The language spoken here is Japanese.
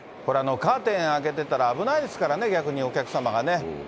カーテン開けてたら危ないですからね、逆にお客様がね。